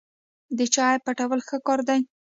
د چا عیب پټول ښه کار دی.